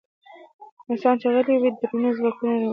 انسان چې غلی وي، دروني ځواکونه راويښوي.